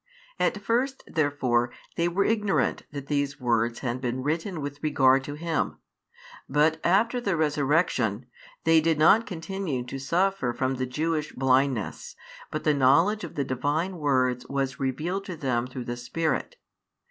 At first therefore they were ignorant that these words had been written with regard to Him; but after the Resurrection, they did not continue to suffer from the Jewish blindness, but the knowledge of the Divine words was revealed to them through the Spirit.